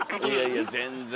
いやいや全然。